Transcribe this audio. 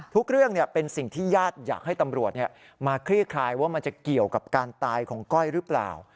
เรื่องเป็นสิ่งที่ญาติอยากให้ตำรวจมาคลี่คลายว่ามันจะเกี่ยวกับการตายของก้อยหรือเปล่า